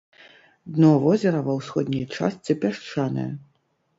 Дно возера ва ўсходняй частцы пясчанае.